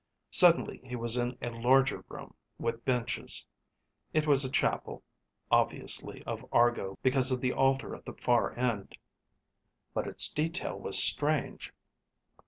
Suddenly he was in a larger room, with benches. It was a chapel, obviously of Argo because of the altar at the far end, but its detail was strange.